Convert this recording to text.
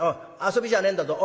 遊びじゃねえんだぞ。